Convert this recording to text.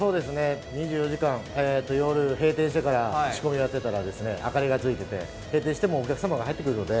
２４時間、夜閉店してから仕込みやってたら明かりがついていて、閉店してもお客さんが入ってくるので。